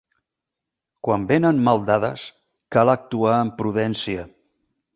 Quan venen mal dades, cal actuar amb prudència.